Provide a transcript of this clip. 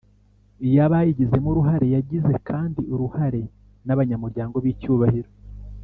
iy abayigizemo uruhare Yagize kandi uruharen abanyamuryango b icyubahiro